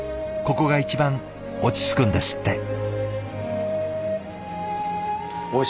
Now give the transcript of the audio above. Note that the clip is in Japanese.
ここが一番落ち着くんですって。